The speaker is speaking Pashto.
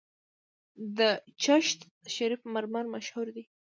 د چشت شریف مرمر مشهور دي